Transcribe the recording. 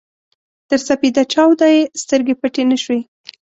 تر سپېده چاوده يې سترګې پټې نه شوې.